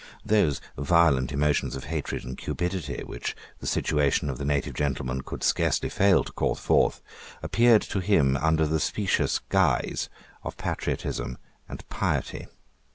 Those violent emotions of hatred and cupidity which the situation of the native gentleman could scarcely fail to call forth appeared to him under the specious guise of patriotism and piety.